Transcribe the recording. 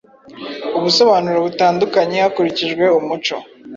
ubusobanuro butandukanye hakurikijwe umuco